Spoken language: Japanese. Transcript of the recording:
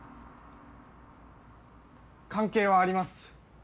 関係はあります